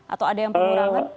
atau ada yang pengurangan